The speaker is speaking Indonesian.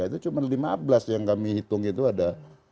itu cuma lima belas yang kami hitung itu ada